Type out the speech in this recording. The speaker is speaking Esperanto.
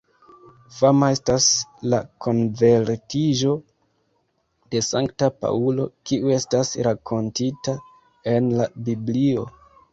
Fama estas la konvertiĝo de Sankta Paŭlo, kiu estas rakontita en la Biblio.